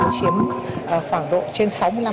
chiếm khoảng độ trên sáu mươi năm